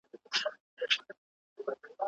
¬ نه څښتن خبرېده، نه سپي غپېده، غل هسي و تښتېده.